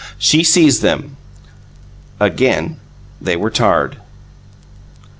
She seized them. Again they were tarred!